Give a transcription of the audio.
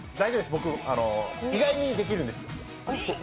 僕、意外にできるんです。